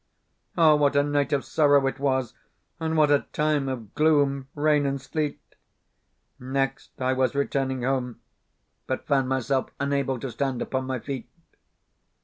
Ah, what a night of sorrow it was, and what a time of gloom, rain, and sleet! Next, I was returning home, but found myself unable to stand upon my feet.